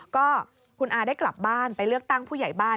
ก็คุณอาได้กลับบ้านไปเลือกตั้งผู้ใหญ่บ้าน